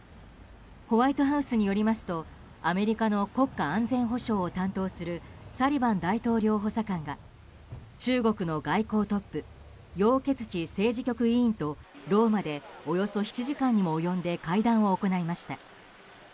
ホワイトハウスによりますとアメリカの国家安全保障を担当するサリバン大統領補佐官が中国の外交トップヨウ・ケツチ政治局委員とローマでおよそ７時間にも及んで会談を行いました。